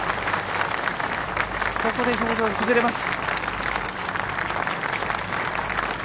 ここで表情、崩れます。